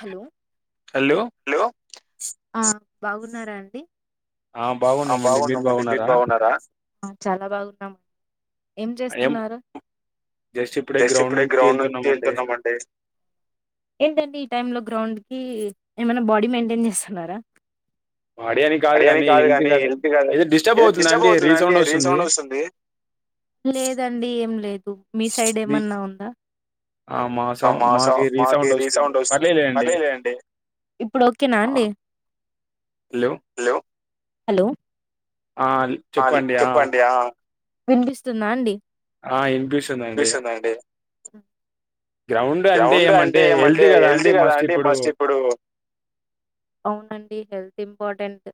hello బాగున్నారా అండి ఆ బాగున్నామండి మీరు బాగున్నారా చాలా బాగున్నా ఏం చేస్తున్నారు జస్ట్ ఇప్పుడే గ్రౌండ్ నుంచి వెళ్తున్నామండి ఏంటం ఈ టై లో గ్రౌండ్ కి ఏమైనా బాడీ మెయింటైన్ చేస్తున్నారా వాడ అని కాదు కాగానీ ఇ మీ హెల్తీ కాద ఏద డిస్టర్బ్ అవుతుందా అంటే రీసౌండ్ వస్తుంది లేదండి ఏం లేదు మీ సైడ్ ఏమన్నా ఉందా ఆ మా సౌ మాకి రీసౌండ్ వస్తుంది పర్లేదు అండి ఇప్పుడు ఓకేనా అండి హలో హలో చెప్పండి వినిపిస్తుందా అండి ఆ ఇన్బ్యూస్ంద అడి అ గ్రౌండ్ అంటే ఏమంటే హెల్త్ీ కదా అంటడి మస్ట్ ఇప్పుడు అవునండి హెల్త్ ఇంపార్టెంట్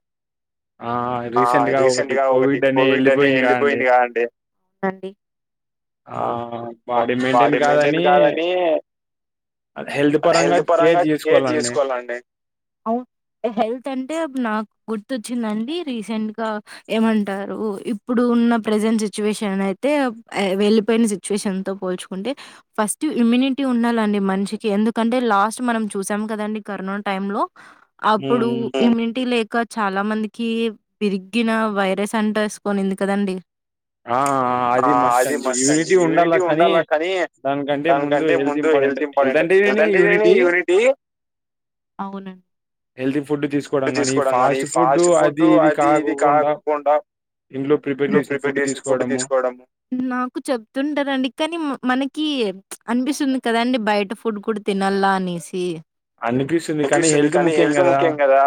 ఆ రీసెంట్ గా ఒకటి ఒకటి కోవిడ్ అని వెళ్ళిపోయింది కాదండి అవునం బాడీ మెయింటైన్ కాదని అది హెల్త్ పరంగా ఏది తీసుకోవాలండి అ హెల్త్ అంటే నాకు గుర్తుొచ్చిందండి రీసెంట్ గా ఏమంటారు ఇప్పుడు ఉన్న ప్రజెంట్ సిచ్యువేషన్ అయితే వెళ్ళిపోయిన సిచ్యువేషన్ తో పో పోల్చుకుంటే ఫస్ట్ ఇమ్యూనిటీ ఉండాలండి మనిషికి ఎందుకంటే లాస్ట్ మనం చూసాం కదండి కరో టై లో అప్పుడు ఇమ్మ్యూనిటి లేక చాలా మందికి విరిగిన వైరస్ అంటెసుకనింది కదండి ఆ అది బస్ అండి యూనిటీ ఉండాల కానీ దానికంటే ముందు హెల్త్ ఇంపార్టెంట్ హెల్త్ అంటేనే యూనిటీ అవునం తీసుకోవడం కానీ ఈ ఫాస్ట్ ఫుడ్ అది ఇది కాకుండా ప్రిపేర్ చేసిన ఫుడ్ తీకోవడం నాకు చెప్తుంటారండి కానీ మనకి అనిపిస్తుంది కదాండి బయట ఫుడ్ కూడా తినాల అనేసి అనిపిస్తుంది కానీ హెల్త్ ముఖ్యం కదా ఆ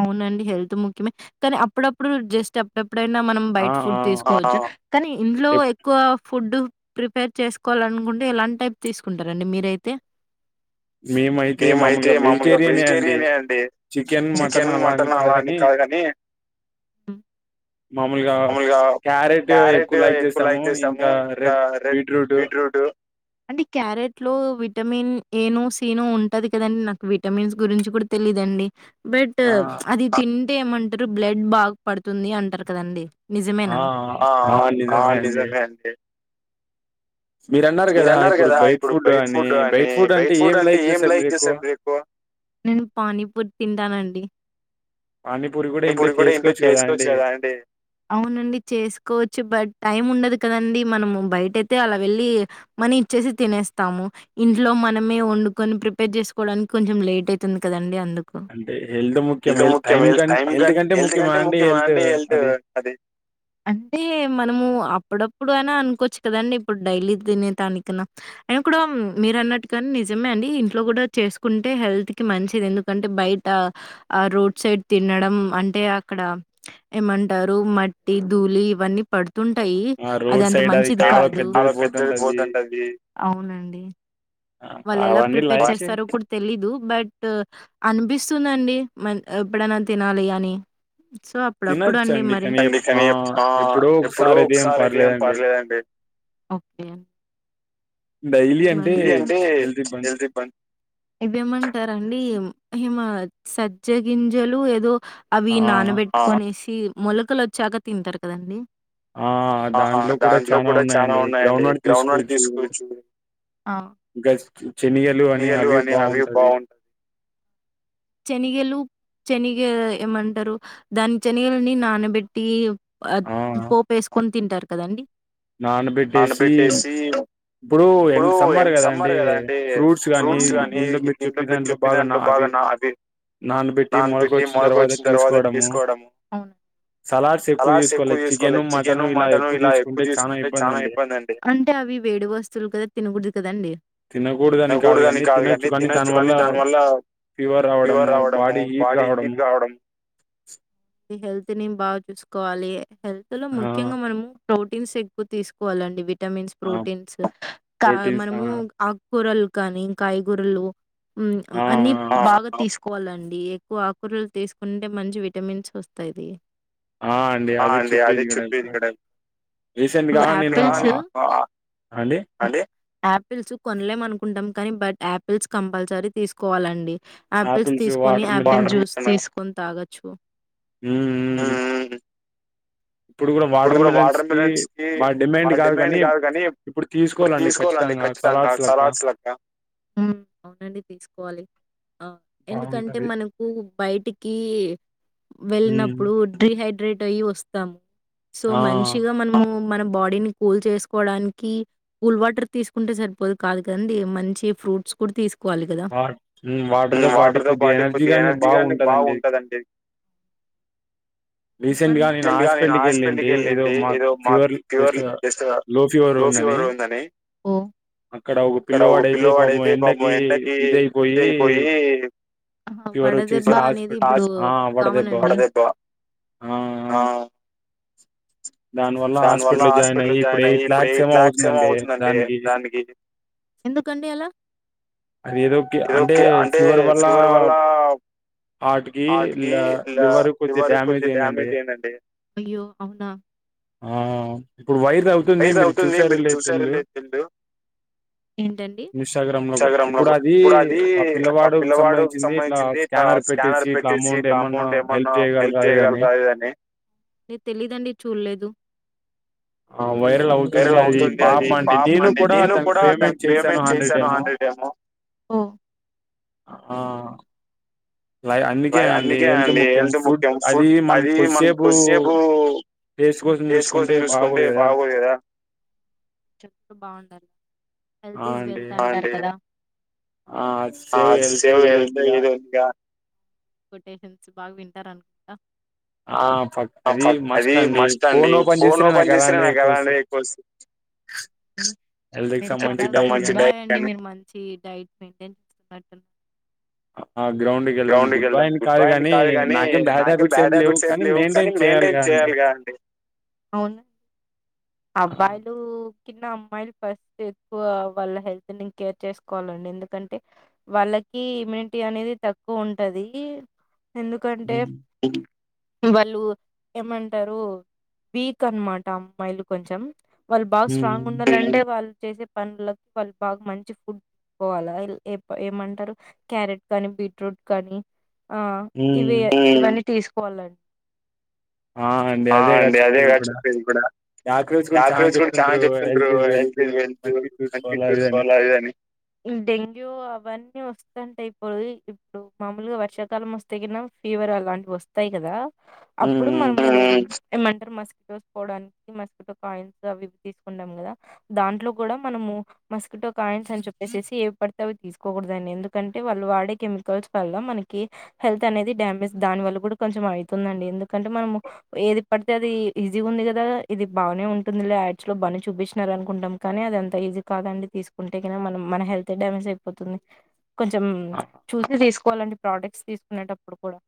అవునండి హెల్త్ ముఖ్యమే కానీ అప్పుడప్పుడు జస్ట్ అప్పుడప్ ఎప్పుడైనా మనం బయట ఫుడ్ తీసుకోవచ్చు కానీ ఇంట్లో ఎక్కువ ఫుడ్ ప్రిపేర్ చేసుకోవాలనుకుంటే ఎలాంటి టైప్ తీసుకుంటారండి మీరైతే మేమయితే మామూలుగా వెజిటేరియనే అండి చికెన్ మటన్ అలాంటి కాదు గని మామలుగా క్యారెట్ ఎక్కువ లైక్ చేసాము ఇంకా రెడ్ బీట్రూట్ రుటు అంటే క్యారెట్లో విటమిన్ ఏనో సీనో ఉంటది కదండి నాకు విటమిన్స్ గురించి కూడా తెలిదండి బట్ అది తింటే ఏమంటారు బ్లడ్ బాగా పడుతుంది అంటారు కదండి నిజమేనా ఆ ఆ నిజమే అండి మీరున్నారు కదా ఇప్పుడు బైట్ ఫుడ్ అని బైట్ ఫుడ్ అంటే ఏం లైక్ చేశారు బ్రేకు నేను పానీపూర్ తింటానండి పూరి కూడా ఇంట్లో చేసుకోవచ్చు కదా అండి అవునండి చేసుకోవచ్చు బట్ టైం ఉం ఉండదు కదండి మనము బయట అయితే అలా వెళ్ళి మనీ ఇచ్చేసి తినేస్తాము ఇంట్లో మనమే వండుకొని ప్రిపేర్ చేసుకోవడానికి కొంచెం లేట్ అయితుంది కదండి అందుకు హల్త్ ముఖ్యం హ టైం కం హెల్త్ కంటే ముఖ్యమా అండి హెల్త్ అది అంటే మనము అప్పుడప్పుడు అయినా అనుకోవచ్చు కదండి ఇప్పుడు డైలీ తినే తానికన్న అయిన కూడా మీరు అన్నట్టుగా నిజమే అండి ఇంట్లో కూడా చేసుకుంటే హెల్త్ కి మంచిది ఎందుకంటే బయట్ టా ఆ రోడ్ సైడ్ తినడం అంటే అక్కడ ఏమంటారు మట్టి దూ లి ఇవన్నీ పడ్ తుంటాయి అది అంత మంచిది కాదు అలా పెద్దది పోతుంటది అవునండి వాళ్ళు ఎలా ప్రిపేర్ చేస్తారో కూడా తెలీదు బట్ అనిపిస్తుందండి మ ఎప్పుడన్నా తినాలి అని సో అప్పుడప్పుడు అండి మరి అందుకని ఎప్పుడో ఒకసారి అయితే ఏం పర్లేదండి ఓకే ఇ ఇవే అంటే ఇవేమంటారారండి హిమ సజ్జగింజలు ఏదో అవి నానబెట్టుకోనేసి సి మొలకలు వచ్చాక తింటారు కదండి ఆ దాంట్లో కూడా చానా ఉన్నాయండి గ్రౌండ్ లో తీసుకోవచ్చు ఆ పేర్లు అని అవి బాగుం చెనిగేలు చేనిగ ఏమంటారు దాని చేనీగలని నానబెట్టి ఆ పోపు వేసుకొని తింటారు కదండి ఆన్న పెట్టేసి ఇప్పుడు ఎం సమ్మారు కదా అండి ఫ్రూట్స్ కానీ దీంట్లో మీరు చెప్పిన దాంట్లో బాగా అవి అంటే నాన పెట్టి మోళ్ళకొచ్చి తరువాత తీసుకోడం అలాస్ ఎక్కువ తీసుకోవాలి చికెను మటన్ ఇలా ఎక్కుది టే చానా ఇబ్బంది అండి అంటే అవి వేడి వస్తువులు కదా తినకూడదు కదండి కూడదని కాదు కాని తినొచ్చు కాని దానివల్లా ఫీవర్ రావడమూ బాడీ హీట్ కావడం ఈ హెల్త్ నీన్ బా చూసుకో కోవాలి హెల్త్ లో ముఖ్యంగా మనము ప్రోటీన్స్ ఎక్కువ తీసుకోవాలండి విటమిన్స్ ప్రోటీన్స్ గా మనము ఆకూరలు కానీ కాయగూరలు హు అన్ని బాగా తీసుక్ కోలండి ఎక్కువ ఆకూరలు తీసుకుంటే మంచి విటమిన్స్ వస్తది ఆ అండి అది చెప్పేది ఇక్కడ యాపిల్స్ ఆపిల్సు కొనలేం అనుకుంటాం కానీ బట్ ఆపిల్స్ కంపల్సరీ తీసుకోవాలండి ఆపిల్స్ తీసుకొని ఆపిల్ జ్యూస్ తీస్కోంతాగొచ్చు ఉమ్ ఉమ్ ఇప్పుడు కూడా వాటర్ మిలన్స్ కి మన డిమాండ్ గాదు గాని ఇప్పుడు తీసుకోవాలండి కచ్చితంగా సలాడ్స్ లక్కా అవునండి తీసుకోవాలి ఆ ఎందుకంటే మనకు బయటికీ వెళ్ళినప్పుడు డిహైడ్రేట్ అయి వస్తాం సో మంచిగా మనము మన బాడీని కూల్ చేసుకోడానికి కూల్ వాటర్ తీసుకుంటే సరిపోద కాదుకండీ మంచి ఫ్రూట్స్ కూడ తీసక్ వాలి కదా టెండిగా నేన్ హాస్పిటల్ కెళ్ళింటి ఏదో మా కుయర్లీ జస్ట్ లో ఫివ్ రోదని [inaudible] అక్కడ ఓ పిల్లవాడైతే పాపం ఎండకి ఇదైపోయి ఫివర్ వచ్చేసి హాస్పిటల్ ఆ వడదెబ్బా ఆ దాని వల్ల హాస్పిటల్ జాయిన్ అయి ఇప్పుడు ఎయిట్ లాక్స్ ఏమో అవుతుందండి దానికి ఎందుకండి అలా హర్టుకి ఇలా లివర్ కొంచం డ్యామేజ్ అయిందండి ఆ ఇప్పుడు వైదవుంతుంది మీరు చూసారో లేదో తెలద్దు ఇంస్టాగ్రామ్లో గుడ్ ఇప్పుడు అది ఆ పిల్లవాడుకి సంబంధించింది ఇట్లా స్కానర్ పెట్టేసి ఇట్లా అమౌంట్ ఏమన్నా హెల్ప్ చేయగలరా అదీదాని నీన్ తెలీదండి చూడలేదు వైరల్ అవుంతుండేది పాపండి నేను కూడా దానికి పేమెంట్ చేసాను హండ్రెడ ఓ ఆ అందుకేండి హెల్త్ ముఖ్యం ఫుడ్ అది మనక్ కోసేపు టేస్ట్ కోసం చూసుకుంటే బాగోదు కదా హెల్త్ ఇస్ వెల్త్ అంటార్ కదా ఆ సేవ్ హెల్త్ ఏదో ఫుడ్ ఐటమ్స్ బాగా తింటారు అనుకుంట కఫాంట్ అది మస్టాండి ఫోన్ ఓపెన్ చేస్తనే నాకు అలాంటివి ఎక్కువ వస్త మీరు చాలా గుడ్ బాయ్ అండి మీరు మంచి డైట్ మెయింటైన్ గ్రౌడ్ కెళ్దాం గుడ్ బాయైతే కాదు కానీ నాకేం బ్యాడ్ హ్యాబిట్స్ ఏంలేవు కానీ మెయింటైన్ చే అండి అమ్మాయిలు ఫస్ట్ ఎక్కువ వాళ్ళ హెల్తని కేర్ చేసుకోవాలండి ఎందుకంటే వాళ్ళక్ ఈ ఇమ్యూనిటీ అనేది తక్కువ ఉంటది ఎందుకంటే వాళ్ళు ఏమంటారు వీక్ అనమాట అమ్మాయిలు కొంచెం వాళ్ళు బాగా స్ట్రాంగ్ ఉన్నారంటే వాళ్ళు చేసే పనుకి వాళ్ళు బాగా మంచి ఫుడ్ పోవాలా ఏ ఏమంటారు క్యారెట్ కానీ బీట్రూట్ కానీ ఆ ఇవి ఇవన్నీ తీసుకోవాలండి ఆ అండి అదే గా చెప్పేది కూడా [unintelligible] రోజు కూడా చానా చెప్తుంట్రురు హెల్త్ ఇ వెల్త్ మంచి చూసుకోవాల అది అని డెంగ్యూ అవన్నీ వస్తంటే ఇప్పుడు ఇప్పుడు మామూలుగా వర్షాకాలం వస్తే కిన ఫీవర్ అలాంటివి వస్తాయి కదా అప్పుడు మనము ఏమంటారు మస్కిటోస్ పోవడానికి మస్కిటో కాయిన్స్ అవివి తీసుకుంటాం కదా దాంట్లో కూడా మనము మస్కిటో కాయిన్స్ అని చెప్ ఏసేసి ఏవి పడితే అవి తీసుకోకూడదని ఎందుకంటే వాళ్ళు వాడే కెమికల్స్ వల్ల మనకి హెల్త్ అనేది డ్యామేజ్ దాని వల్ల కూడా కొంచెం అయితుందండి ఎందుకంటే మనము ఏది పడితే అది ఈజీగా ఉంది కదా ఇది బాగానే ఉంటుంది యాడ్స్ లో బానే చూపిస్తున్నారు అనుకుంటాం కానీ అది ఎంత ఈజీ కాదండి తీసుకుంటేనా మనం మన హెల్త్ డ్యామేజ్ అయిపోతుంది కొంచం చూసి తీసుకోవాలండి ప్రొడక్ట్స్ తీసుకునేటప్పుడు కూడా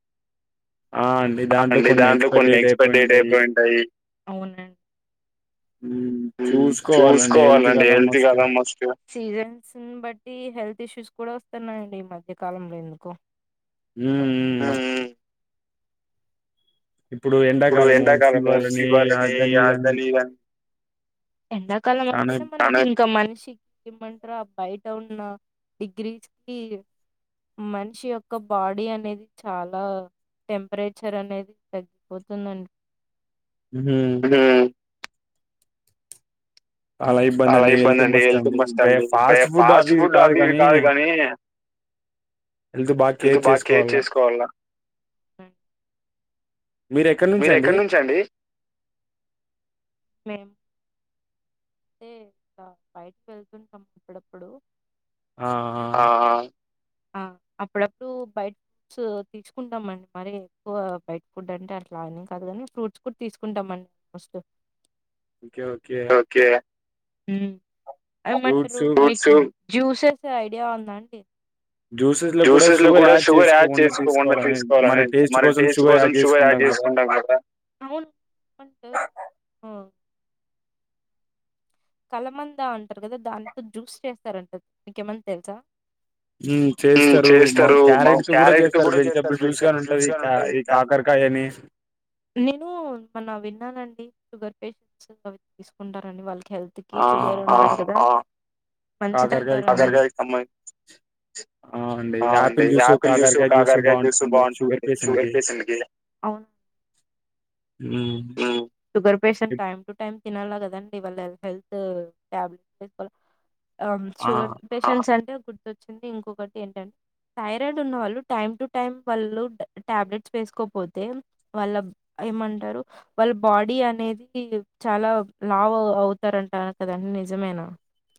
ఆ అండి దాంట్లో కొన్ని ఎక్స్పైర్ డేట్ అయిపోయి ఉంటాయి హ్మ్ హ్మ్ చూసుకోవాలండి హెల్త్ కదా మస్ట్ ఇష్యూస్ కూడా వస్తున్నాయండి ఈ మధ్య కాలంలో ఎందుకో హ్మ్ మ్మ్ ఇప్పుడు ఎండాకాలము ఫీవర్ అని అదనిఇదని ఎండాకాలం అంటేనే మనం ఇంకా మం ఛీ ఏమంటార బయట ఉన్న డిగ్రీస్ కి మనిషి యొక్క బాడీ అనేది చాలా టెంపరేచర్ అనేది తగ్గిపోతుందండి ఊహూ చాలా ఇబ్బంది అండి హెల్త్ మస్ట్ అండి ఫాస్ట్ ఫుడ్ అవి ఇవి కాదు కానీ హెల్త్ బాగా కేర్ చేసుకోవాల మీరు ఎక్కడి నుంచండి మేం బయటకి వెళ్తుంటాం అప్పుడప్పుడు ఆ ఆ అప్పుడప్పుడు బయట ఫుడ్స్ తీసుకుంటాం అండి మరి ఎక్కువ బయట ఫుడ్ అంటే అట్లానా అందులో ని ఫ్రూట్స్ కూడా తీసుకుంటామండి మస్ట్ ఓకే ఓకే ఏమంటారు జ్యూసేస్ ఐడియా ఉందా అండి జ్యూసెస్ లో కూడా షుగర్ యాడ్ చేసుకోకుండా తీసుకోవాలని మరి టేస్ట్ కోసం షుగర్ యాడ్ చేసు కుండా కూడా కలమంద అంటారు కదా దాంతో జ్యూస్ చేస్తారంటది మీకు ఏమన్నా తెలుసా హ్మ్ చేస్తారు క్యారెట్ తో కూడా చేస్తారు వెజిటబుల్ జ్యూస్ గాని ఉంటంది ఇది కాకరకాయ అని ఫేస్ నేను మొన్న విన్నానండి షుగర్ పేషెంట్స్ అ తీసుకుంటారని వాళ్ళకి హెల్ కి షుగర్ ఉంది కదా మంచిది అంటారు ఆ అండి ఆపిల్ జ్యూస్ కాకరకాయ జ్యూస్ బాగుంటది షుగర్ పేషెంట్ కి sugar patient time to time తినాల కదండి వాళ్ళ హెల్త్ టాబ్లెట్సు వేసుకోవాల ఆ షుగర్ పేషెంట్స్ అంటే గుర్తొచ్చింది ఇంకొకటి ఏంటంటే థైరాయిడ్ ఉన్న వాళ్ళు టైమ్ టు టైం వాళ్ళు టాబ్లెట్స్ వేసుకోపోతే వాళ్ళ ఏమంటారు వాళ్ళ బాడీ అనేది చాలా లావు అవుతారంట అ కదండి నిజమేనా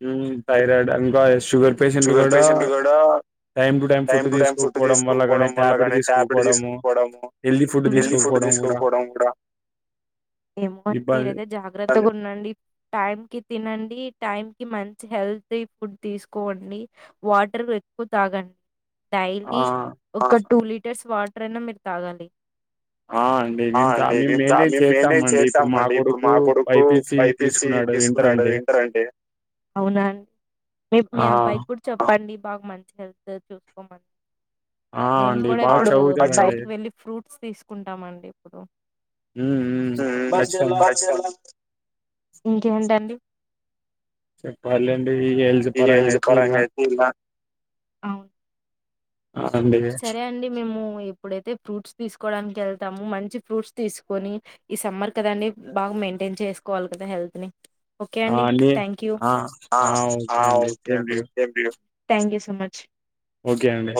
హ్మ్ థైరాయిడ్ ఇంకా షుగర్ పేషెంట్లు కూడా టైం టు టైం ఫుడ్ తీసుకోకపోవడం వల్ల గానీ టాబ్లెట్ తీసుకోకపోవడము హెల్తీ ఫుడ్ తీసుకోకపోవడం కూడా ఏమో అండి మీరైతే జాగ్రత్తగా ఉండండి టైంకిి తినండి టైమ్ కి మంచి హెల్తీ ఫుడ్ తీసుకు కోండి వాటర్ ఎక్కువ తాగండి డైలీ ఒక టూ లీట్ టర్స్ వాటర్ అయినా మీరు తాగాలి ఆ అండి మేమ్ తా మెయింటైన్ చేస్తాం అండి ఇప్పుడు మా కొడుకు బైపీస తీ తీసుకున్నాడు ఇంటర్ అండి అవునా అండ్ ఎప్ మీ అబ్బాయికి కూడా చెప్పండి బాగా మంచి హెల్త్ చూసుకోమని మేము కూడా ఇప్పుడు బయటికి వెళ్ళి ఫ్రూట్స్ తీసుకుంటామ అండి ఇప్పుడు ఇంకేంటండి చెప్పాలండి హెల్జ్ పరంగా అయితే ఇలా అవును సరే అండి మేము ఇప్పుడైతే ఫ్రూట్స్ తీసుకోవడానికి వెళ్తాము మంచి ఫ్రూట్స్ తీసుకొని ఈ సమ్మర్ కద అండి బాగా మెయింటైన్ చేసుకోవాలి కదా హెల్త్ ని ఓకే అండి thank you thank you so much okay అండి